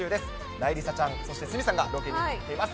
なえりさちゃん、そして鷲見さんがロケに行ってくれています。